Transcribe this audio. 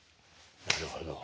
なるほど！